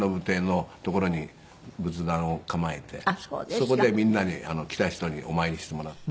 そこでみんなに来た人にお参りしてもらって。